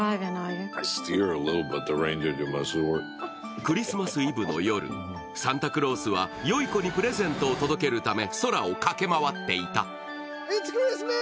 クリスマスイブの夜、サンタクロースはよい子にプレゼントを届けるため、空を駆け回っていてた。